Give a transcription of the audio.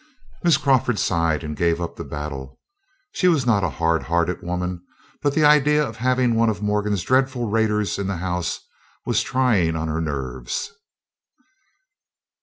Miss Crawford sighed, and gave up the battle. She was not a hard hearted woman, but the idea of having one of Morgan's dreadful raiders in the house was trying on her nerves.